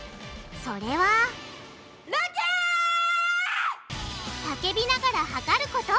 それは叫びながら測ること！